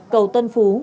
cầu tân phú